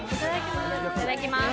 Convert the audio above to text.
いただきます。